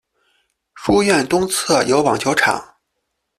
书院东侧有网球场。